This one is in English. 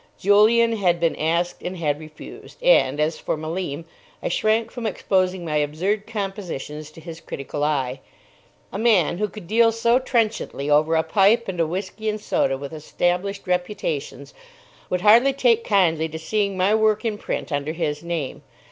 Julian had been asked and had refused; and, as for Malim, I shrank from exposing my absurd compositions to his critical eye. A man who could deal so trenchantly over a pipe and a whisky and soda with Established Reputations would hardly take kindly to seeing my work in print under his name.